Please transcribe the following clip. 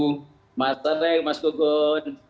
selamat sore mas gu gun